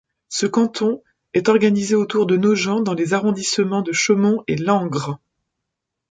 Ce canton est organisé autour de Nogent dans les arrondissements de Chaumont et Langres.